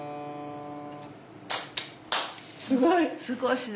すごい。